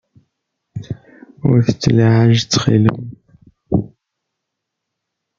Ur tettlaɛaj ttxil-m.